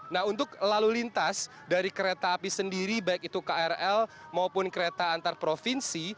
nah untuk lalu lintas dari kereta api sendiri baik itu krl maupun kereta antar provinsi